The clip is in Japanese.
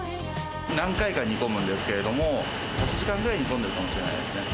何回か煮込むんですけれども、８時間くらい煮込んでるかもしれないですね。